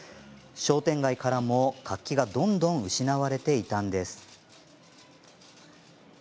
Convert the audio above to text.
商店街からも、活気がどんどん失われていたんです。